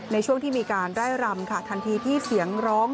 ในช่วงที่มีการไล่รำค่ะทันทีที่เสียงร้อง